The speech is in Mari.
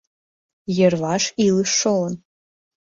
Йырваш илыш шолын.